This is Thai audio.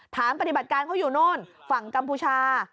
ฐานปฏิบัติการเขาอยู่โน่นฝั่งกัมพูชา